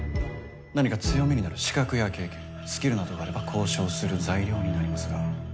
何か強みになる資格や経験スキルなどがあれば交渉する材料になりますが。